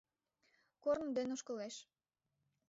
Корно ден ошкылеш...